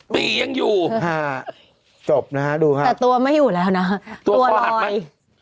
ปียังอยู่อ๋อจบนะฮะดูฮะแต่ตัวไม่อยู่แล้วนะฮะตัวรอย